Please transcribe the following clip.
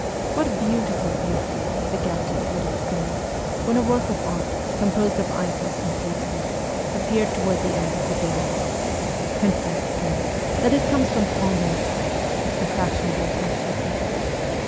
' What beautiful pastry !' the guests would exclaim, when a work of art, composed of ices and pastry, appeared toward the end of the dinner. ' Confess, prince, that it comes from Tremble ' (the fashionable pastry cook).